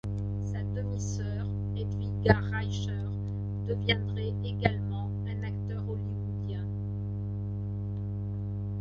Sa demi-soeur, Hedwiga Reicher, deviendrait également un acteur hollywoodien.